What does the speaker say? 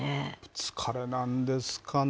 疲れなんですかね。